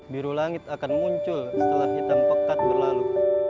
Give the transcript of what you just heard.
biru langit akan muncul setelah hitam pekat berlalu